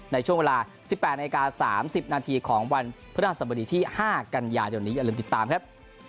ในช่วงเวลา๑๘นาที๓๐นาทีของวันพฤศบริษฐี๕กันยาอย่าลืมติดตามครับ